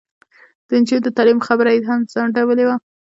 د نجونو د تعلیم خبره یې ځنډولې وه.